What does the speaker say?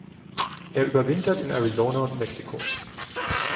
Er überwintert in Arizona und Mexiko.